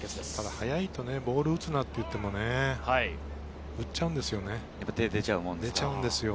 速いとね、ボールを打つな！って言っても行っちゃうんですよね。